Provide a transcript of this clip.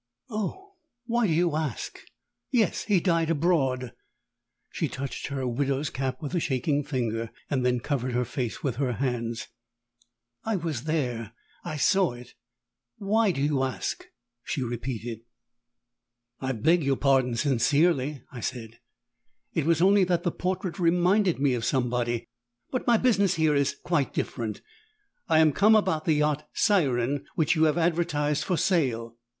"Oh, why do you ask? Yes; he died abroad." She touched her widow's cap with a shaking finger, and then covered her face with her hands. "I was there I saw it. Why do you ask?" she repeated. "I beg your pardon sincerely," I said; "it was only that the portrait reminded me of somebody But my business here is quite different. I am come about the yacht Siren which you have advertised for sale."